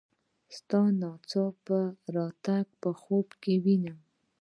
ستا ناڅاپه راتګ په خوب کې وینم.